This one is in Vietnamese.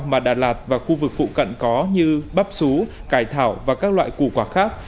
mà đà lạt và khu vực phụ cận có như bắp sú cải thảo và các loại củ quả khác